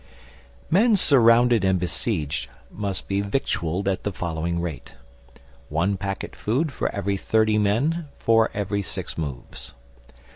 Men surrounded and besieged must be victualled at the following rate: One packet food for every thirty men for every six moves.